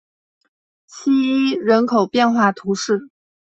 希伊人口变化图示